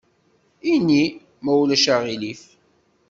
Ini: « ma ulac aɣilif ».